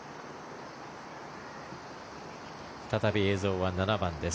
再び映像は７番です。